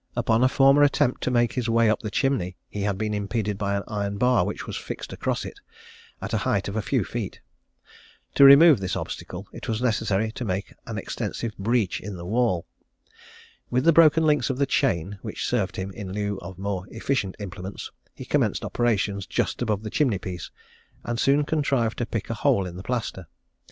Upon a former attempt to make his way up the chimney, he had been impeded by an iron bar which was fixed across it, at a height of a few feet. To remove this obstacle, it was necessary to make an extensive breach in the wall. With the broken links of the chain, which served him in lieu of more efficient implements, he commenced operations just above the chimney piece, and soon contrived to pick a hole in the plaster.